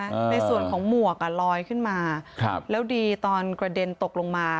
ในส่วนของหมวกอ่ะลอยขึ้นมาครับแล้วดีตอนกระเด็นตกลงมา